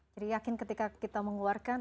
jadi yakin ketika kita mengeluarkan